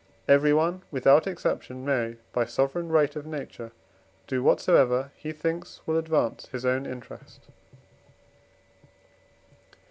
Everyone without exception may, by sovereign right of nature, do whatsoever he thinks will advance his own interest.